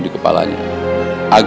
biasa rasanya pak